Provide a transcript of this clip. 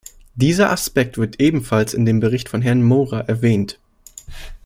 Dieser Aspekt wird ebenfalls in dem Bericht von Herrn Moura erwähnt.